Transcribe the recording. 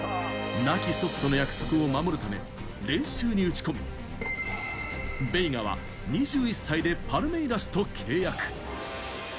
亡き祖父との約束を守るため練習に打ち込み、ベイガは２１歳でパルメイラスと契約。